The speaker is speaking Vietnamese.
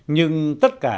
nhưng tất cả